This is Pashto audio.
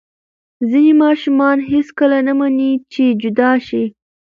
ځینې ماشومان هېڅکله نه مني چې جدا شي.